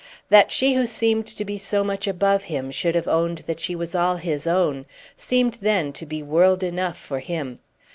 That she who seemed to be so much above him should have owned that she was all his own seemed then to be world enough for him.